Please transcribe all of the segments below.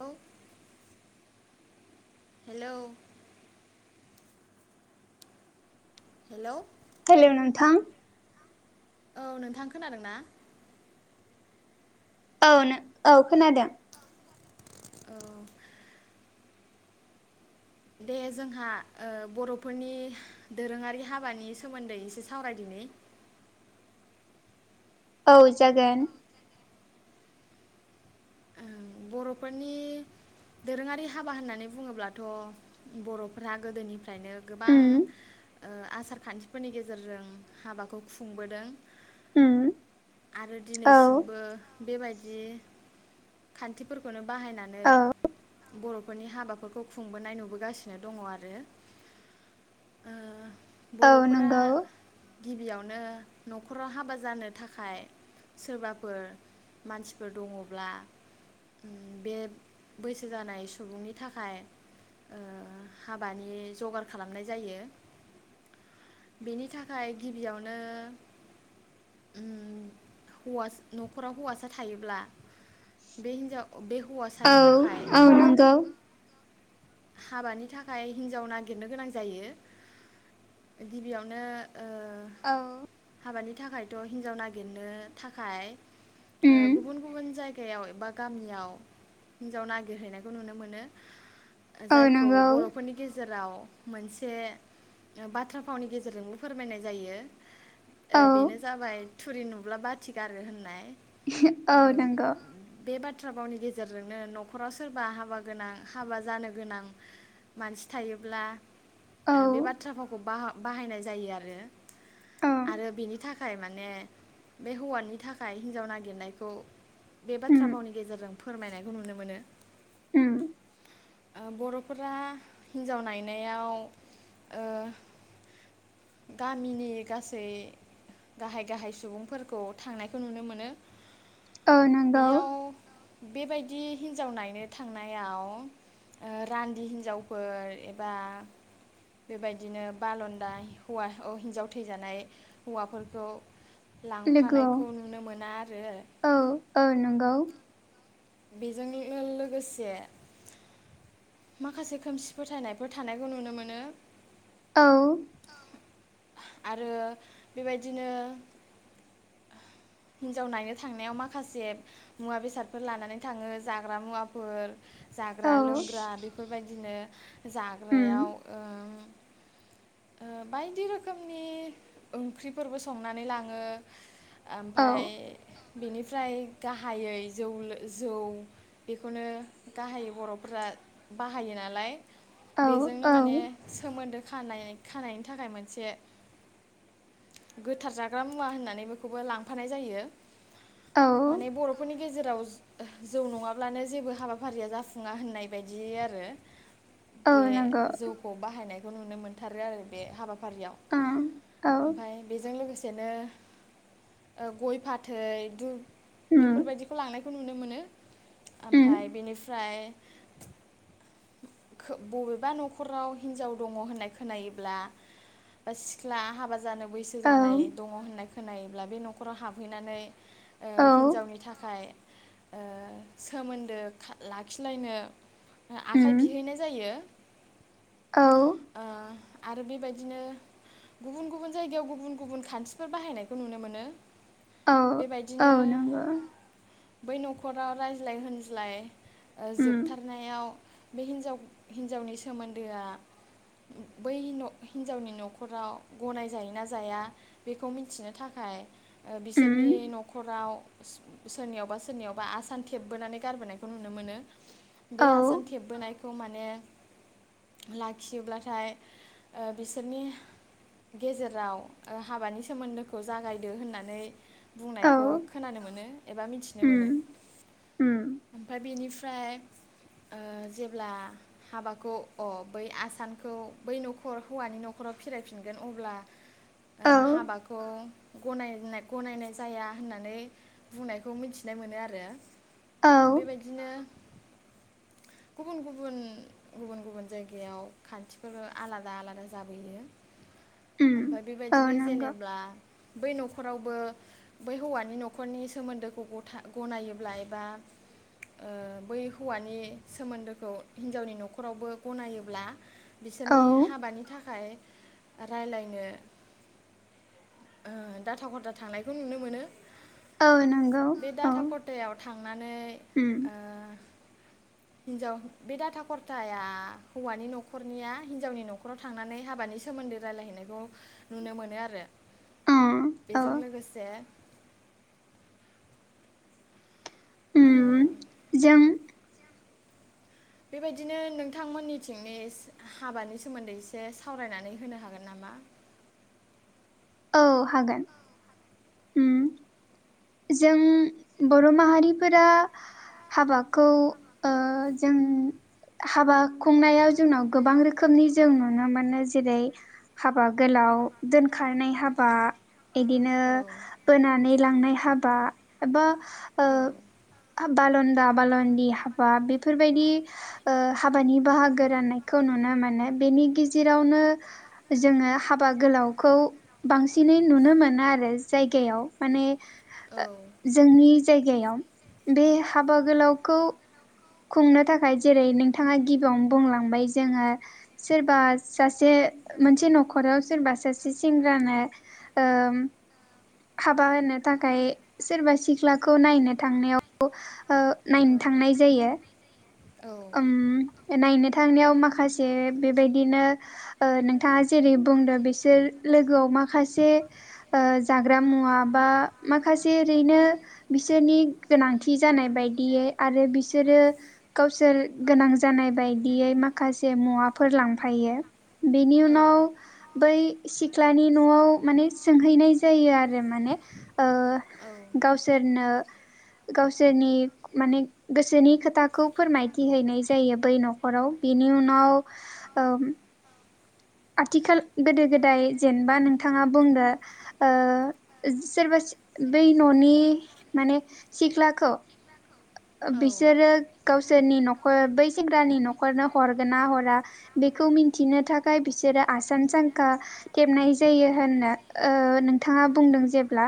औ hello hello hello नोंथां औ नोंथां खोनादोंना औनो औ खोनादों औ दे जोंहा ओ बर'फोरनि दोरोङारि हाबानि सोमोनदै एसे सावरायदिनि औ जागोन ओं बर'फोरनि दोरोङारि हाबा होननानै बुङोब्लाथ' बर'फ्रा गोदोनिफ्रायनो गोबां उम ओ आसार खानथिफोरनि गेजेरजों हाबाखौ खुंबोदों उम आरो औ दिनैसिमबो बेबायदि खानथिफोरखौनो बाहायनानै औ बर'फोरनि हाबा फोरखौ खुंबोनाय नुबोगासिनो दङ आरो ओ औ बर'फोरा नंगौ गिबियावनो न'खराव हाबा जानो थाखाय सोरबाफोर मानसिफोर दङब्ला उ बे बैसो जानाय सुबुंनि थाखाय ओ हाबानि जगार खालामनाय जायो बेनि थाखाय गिबियावनो उ हौवा न'खराव हौवासा थायोब्ला बे हिनजाव बे हौवासानि औ थाखाय औ नंगौ हाबानि थाखाय हिनजाव नागिरनो गोनां जायो गिबियावनो ओ औ हाबानि थाखायथ' हिनजाव नागिरनो थाखाय ओ उम गुबुन गुबुन जाय याव एबा गामियाव हिनजाव नागिरहैनायखौ नुनो मोनो औ जायखौ नंगौ बर'फोरनि गेजेराव मोनसे बाथ्रा फावनि गेजेरजोंबो फोरमायनाय जायो ओ औ बेनो जाबाय थुरि नुब्ला बाथि गारो होननाय [unintelligible] ओ औ नंगौ बे बाथ्रा भावनि गेजेरजोंनो न'खराव सोरबा हाबा गोनां हाबा जानो गोनां मानसि थायोब्ला औ ओ बे बाथ्रा फावखौ बाह बाहायनाय जायो आरो औ आरो बिनि था खाय माने बे हौवानि थाखाय हिनजाव नागिरनायखौ बे उम बाथ्रा भावनि गेजेरजों फोरमायनायखौ नुनो मोनो उम ओ बर'फोरा हिनजाव नायनायाव ओ गामिनि गासै गाहाय गाहाय सुबुंफोरखौ थांनायखौ नुनो मोनो औ नंगौ बेयाव बेबायदि हिनजाव नायनो थांनायाव ओ रानदि हिनजावफोर एबा बेबायदिनो बालनदा हौवा अ हिनजाव थैजानाय हौवाफोरखौ लोगोआव लांफानायखौ नुनो मोना आरो औ औ नंगौ बेजों लो-लोगोसे माखासे खोमसि फोथायनायफोर थानायखौ नुनो मोनो औ आरो बेबायदिनो हिन्जाव नायनो थांनायाव माखासे मुवा बेसादफोर लानानै थाङो जाग्रा मुवाफोर औ जाग्रा लोंग्रा बेफोरबायदिनो उम जाग्रायाव ओ ओ बायदि रोखोमनि ओंख्रिफोरबो संनानै लाङो औ ओमफाय बेनिफ्राय गाहायै जौ जौ बेखौनो गाहायै बर'फोरा बाहायो नालाय औ बेजोंनो औ माने सोमोन्दो खानाय खानायनि थाखाय मोनसे गोथार जाग्रा मुवा होननानै बेखौबो लांफानाय जायो औ माने बर'फोरनि गेजे-' राव जौ नङाब्लानो जेबो हाबाफारिया जाफुङा होननाय बायदि आरो औ बे नंगौ जौखौ बाहायनाय नुनो मोनदों आरो आरो बे हाबा फारियाव औ औ ओमफ्राय बेजों लोगोसे बिदिनो ओ गय फाथै धुप उम बेफोरबायदिखौ लांनाय खौ नुनो मोनो उम ओमफ्राय बेनिफ्राय बबेबा न'खराव हिनजाव दङ होननाय खो खोनायोब्ला बा सिख्ला हाबा जा जानो बैसो जानाय औ दङ होननाय खोनायोब्ला बे न'खराव हाबहैनानै ओ औ हिन्जावनि थाखाय ओ सोमोन्दो लाखिलायनो आखाइ उम बिहैनाय जायो औ ओ आरो बेबायदिनो गुबुन गुबुन जायगायाव गुबुन गुबुन खान्थिफोर बाहायनायखौ नुनो मोनो औ बेबायदिनो औ नंगौ बै न'खराव रायज्लाय होनज्लाय ओ उम जोबथारनायाव बे हिन्जाव हिन्जावनि सोमोन्दोआ बै हिनजावनि न'खराव ग'नाय जायोना जाया बेखौ मिथिनो थाखाय ओ उम बिसोरनि न'खराव सोरनियावबा सोरनियावबा आसान थेबबोनानै गारबोनायखौ नुनो मोनो बे औ आसान थेबबोनाय खौ माने लाखियोब्लाथाय ओ बिसोरनि गेजेराव ओ हाबानि सोमोन्दोखौ जागायदो होननानै औ बुंनायखौ खोनानो मोनो एबा मिथिनो मोनो उम उम ओमफाय बेनि ओमफ्राय ओ जेब्ला हाबाखौ अ बै आसानखौ बै न'खर हौवानि न'खराव फिरायफिनगोन अब्ला ओ औ हाबाखौ गनायनाय गनायनाय जाया होननानै बुंनायखौ मिथिनो मोनो आरो औ बेबायदिनो गुबुन गुबुन गुबुन गुबुन जायगायाव खानथि बेफोरो आलादा आलादा जाबोयो उम ओमफाय औ बेबायदिनो नंगौ जेनेब्ला बै न'खरावबो बै हौवानि न'खरनि सोमोनदोखौ ग'था गनायोब्ला एबा ओ बै हौवानि सोमोनदोखौ हिनजावनि न'खरावबो गनायोब्ला औ बिसोरनि हाबानि थाखाय रायलायनो ओ दाथा खथा थांनायखौ नुनो मोनो औ नंगौ बे औ दाथा ख'थायाव थांनानै उम ओ हिनजाव बे दाटा खर्ताया हौवानि न' खरनिया हिनजावनि न'खराव थांनानै हाबानि सोमोनदो रायलायहैनायखौ नुनो मोनो आरो। अ औ बेजों लोगोसे ओ उम जों बेबायदिनो नोंथांमोननिथिंनि हाबानि सोमोनदै एसे सावरायनानै होनो हागोन नामा औ हागोन उम जों बर' माहारिफोरा हाबाखौ ओ जों हाबा खुंनायाव जोंनाव गोबां रोखोमनि जों नुनो मोनो जेरै हाबा गोलाव दोनखारनाय हाबा इदिनो औ औ बोनानै लांनाय हाबा एब औ बालनदा बालदि हाबा बेफोरबायदि ओ हाबानि बाहागो राननायखौ नुनो मोनो बेनि गेजेरावनो जोङो हाबा गोलावखौ बांसिनै नुनो मोनो आरो जायगायाव माने माने जोंनि जायगायाव बे हाबा गोलावखौ खुंनो थाखाय जेरै नोंथाङा गिबियावनो बुंलांबाय जोङो सोरबा सासे मोनसे न'खराव सोरबा सासे सेंग्रानो ओ हाबा होनो थाखाय सोरबा सिख्लाखौ नायनो थांनायाव ओ नायनो थांनाय जायो जायो। उम नायनो थांनायाव माखासे बेबायदिनो ओ नोंथाङा जेरै बुंदों बिसोर लोगोआव माखासे ओ जाग्रा मुवा बा माखासे ओरैनो बिसोरनि गोनांथि जानाय बायदियै आरो बिसोरो गाव सोर गोनां जानाय बायदियै माखासे मुवाफोर लांफायो। बेनि औ उनाव बै सिख्लानि न'आव माने सोंहैनाय जायो आरो माने ओ गावसोरनो गावसोरनि माने गोसोनि खोथाखौ फोरमायथि हैैनाय जायो बै न'खराव बिनि उनाव ओ आथिखाल गोदो गोदाय जेनबा नोंथाङा बुंदो ओ सोरबा बै न'नि माने सिख्लाखौ औ बिसोरो गाव सोरनि न'खर बै सेंग्रानि न'खरनो हरगोन ना हरा बेखौ मिथिनो थाखाय बिसोरो आसान सांखा थेबनाय जायो होननो ओ नोंथाङा बुंदों जेब्ला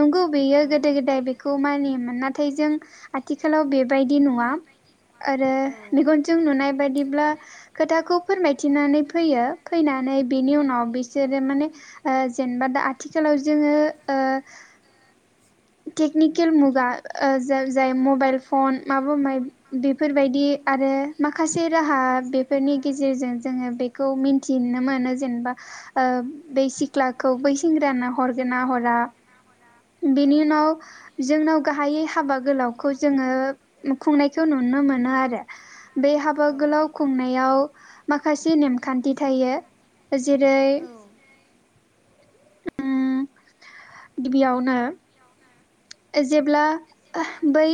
नंगौ बेयो गोदो गोदाय बेखौ मानियोमोन। नाथाय जों आथिखालाव बेबायदि नङा। आरो औ मेगनजों नुनाय बायदिब्ला खोथाखौ फोरमायथिनानै फैयो फैनानै बेनि उनाव बिसोरो माने जेनेबा दा आथिखालाव जोङो ओ टेकनिकेल मुगा जाय मबाइल फन माबा बेफोरबायदि आरो माखासे राहा बेफोरनि गेजेरजों जोङो बेखौ मिथिनो मोनो जेनेबा बे सिख्लाखौ बै सेंग्राना हरगोन ना हरा बेनि उनाव जोंनाव गाहायै हाबा गोलावखौ जोङो खुंनायखौ नुनो मोनो आरो बे हाबा गोलाव खुंनायाव माखासे नेमखान्थि थायो। जेरै औ उम गिबियावनो जेब्ला बै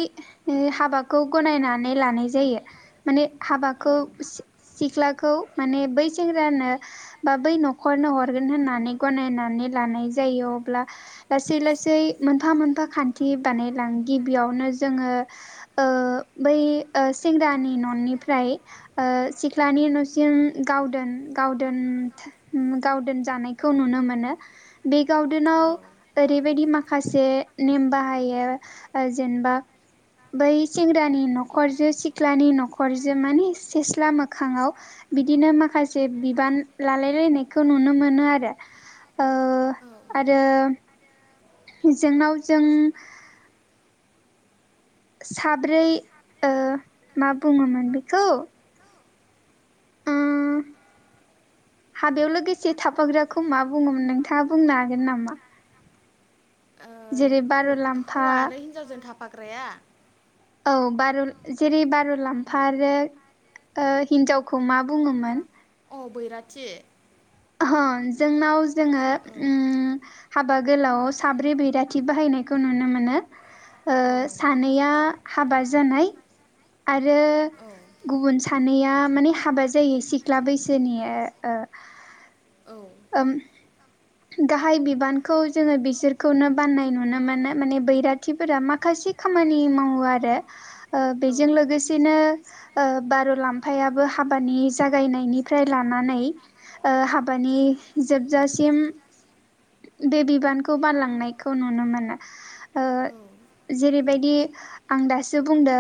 हाबाखौ गनायनानै लानाय जायो माने औ हाबाखौ सि सिख्ला खौ माने बै सेंग्रानो बा बै नखरनो हरगोन होननानै गनायनानै लानाय जायो अब्ला लासै लासै मोनफा मोनफा खान्थि बानायलाङो गिबियावनो जोङो ओ बै ओ सेंग्रानि ननिफ्राय ओ सिख्लानि नसिम गावदोन गावदोन गावदोन जानायखौ नुनो मोनो बे गावदोनाव ओरैबायदि माखा- खासे नेम बाहायो जेनेबा बै सेंग्रानि नखरजो सिख्लानि नखरजो माने सेस्ला मोखाङाव बिदिनो माखासे बिबान लालाय लायनायखौ नुनो मोनो आरो ओ औ आरो जोंनाव जों साब्रै ओ मा बुङोमोन बेखौ? उम हाबायाव लोगोसे थाफाग्राखौ मा बुङोमोन नोंथाङा बुंनो हागोन नामा? जेरै बारुलाम्फा फाग्राया औ बार' जेरै बार'लाम्फा आरो ओ हिनजावखौ मा बुङोमोन? अ बैराथि [unintelligible] जोंनाव जोङो ओम हाबा गोलाव आव साब्रै बैराथि बाहायनायखौ नुनो मोनो ओ सानैया हाबा जानाय आरो गुबुन सानैया माने हाबा जायि सिख्ला बैसोनि ओ औ ओम गाहाय बिबानखौ जोङो बिसोरखौनो बाननाय नुनो मोनो माने बैराथिफोरा माखासे खामानि मावो आरो ओ औ बेजों लोगोसेनो ओ बारलाम्फायाबो हाबानि जागायनायनिफ्राय लानानै ओ हाब बानि जोबजासिम बे बिबानखौ बानलांनायखौ नुनो मोनो [unintelligible] बेबायदि आं दासो बुंदो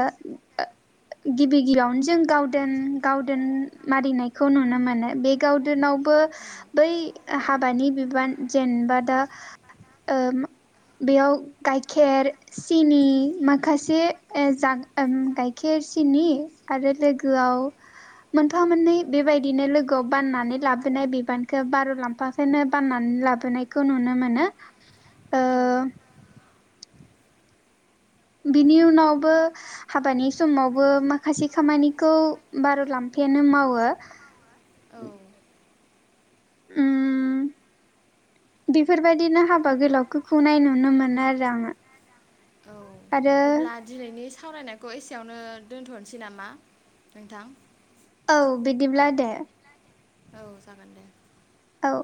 गिबि गिबियावनो जों गावदोन गावदोन मारिनायखौ नुनो मोनो बे गावदोनावबो बै हाबानि बिबान जेनेबा दा ओ बेयाव गायखेर सिनि माखासे जा गायखेर सिनि आरो लोगोआव मोनफा मोननै बेबायदिनो लोगोआव बाननानै लाबोनाय बिबानखौ बारलाम्फाखौनो बाननानै लाब नायखौ नुनो मोनो ओ [unintelligible] बिनि उनावबो हाबानि समावबो माखासे खामानिखौ बारलाम्फायानो मावो औ [unintelligible] ओम बेफोरबायदिनो हाबा गोलावखो खुंनाय नुनो मोनो आरो आङो औ आरो अब्ला दिनैनि सावरायनायखौ एसेयावनो दोनथ'नोसै नामा नोंथां? औ बिदिब्ला दे औ जागोन दे औ